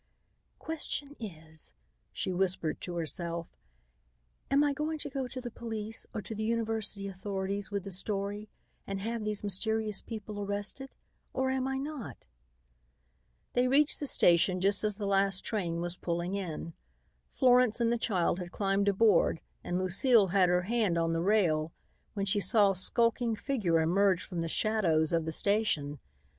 "Question is," she whispered to herself, "am I going to go to the police or to the university authorities with the story and have these mysterious people arrested, or am I not?" They reached the station just as the last train was pulling in. Florence and the child had climbed aboard and Lucile had her hand on the rail when she saw a skulking figure emerge from the shadows of the station.